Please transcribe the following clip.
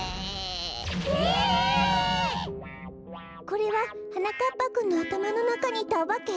これははなかっぱくんのあたまのなかにいたおばけ？